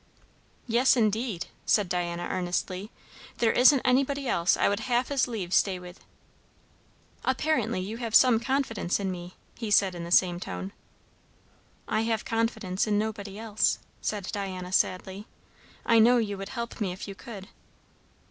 "Yes indeed!" said Diana earnestly. "There isn't anybody else I would half as lieve stay with." "Apparently you have some confidence in me," he said in the same tone. "I have confidence in nobody else," said Diana sadly. "I know you would help me if you could."